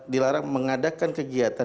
dilarang mengadakan kegiatan